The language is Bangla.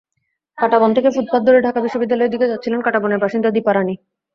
কাঁটাবন থেকে ফুটপাত ধরে ঢাকা বিশ্ববিদ্যালয়ের দিকে যাচ্ছিলেন কাঁটাবনের বাসিন্দা দীপা রানী।